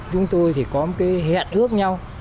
chúng tôi thì có cái hẹn ước nhau